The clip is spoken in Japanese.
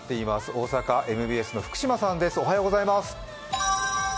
大阪、ＭＢＳの福島さんです。